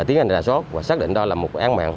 tiến hành rà sốt và xác định đó là một án mạng